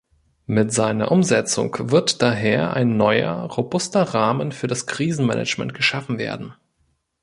Mit seiner Umsetzung wird daher ein neuer, robuster Rahmen für das Krisenmanagement geschaffen werden.